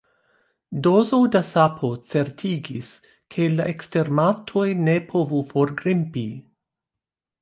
Dozo da sapo certigis, ke la ekstermatoj ne povu forgrimpi.